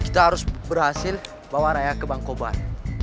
kita harus berhasil bawa raya ke bangkoban